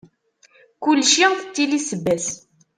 Kulci tettili ssebba-s.